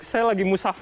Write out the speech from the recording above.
saya lagi musafir